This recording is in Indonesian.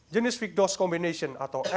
jenis fikdos combination atau arv